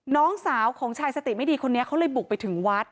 น้องสาวของชายสติไม่ดีคนนี้เขาเลยบุกไปถึงวัด